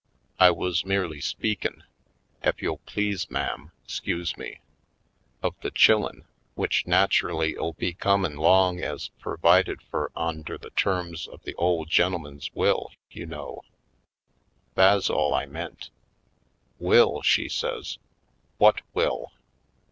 I wuz merely speakin' — ef you'll please, ma'am, 'scuse me — of the chillen, w'ich natchelly '11 be comin' long ez pur vided fur onder the terms of the ole gen'el man's will, you know. Tha's all I meant." "Will!" she says. "What will?